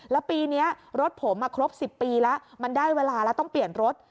แล้วปีนี้รถผมครบ๑๐ปีแล้วมันได้เวลาแล้วต้องเปลี่ยนรถ